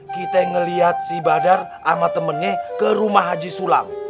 kita melihat si badar sama temennya ke rumah haji sulam